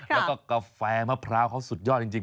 แล้วก็กาแฟมะพร้าวเขาสุดยอดจริง